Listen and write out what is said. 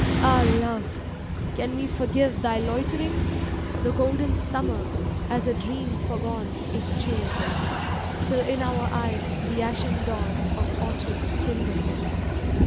Ah, Love, can we forgive thy loitering? ... The golden Summer, as a dream forgone. Is changed,— till in our eyes the ashen dawn Of autumin kindles.